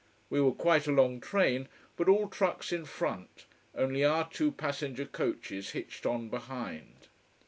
We were quite a long train, but all trucks in front, only our two passenger coaches hitched on behind.